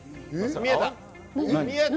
見えた？